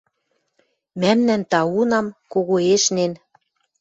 Мӓмнӓн таунам, когоэшнен